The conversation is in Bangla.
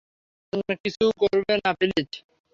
বিপজ্জনক কিছু করবে না, প্লিজ!